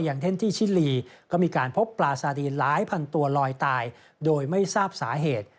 เท่นที่ชิลีก็มีการพบปลาซาดีนหลายพันตัวลอยตายโดยไม่ทราบสาเหตุ